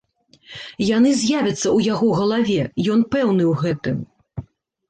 Яны з'явяцца ў яго галаве, ён пэўны ў гэтым.